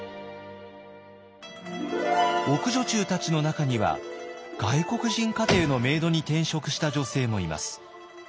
奥女中たちの中には外国人家庭のメイドに転職した女性もいます。